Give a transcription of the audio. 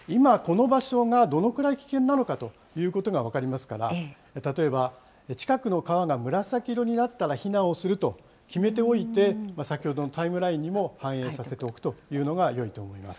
今この場所がどのくらい危険なのかということが分かりますから、例えば近くの川が紫色になったら避難をすると決めておいて、先ほどのタイムラインにも反映させておくというのがよいと思います。